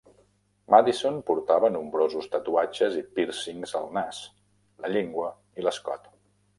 Madison portava nombrosos tatuatges i "piercings" al nas, la llengua i l'escot.